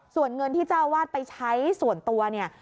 ส่วนเงินที่เจ้าอาวาสไปใช้ส่วนตัวเนี่ย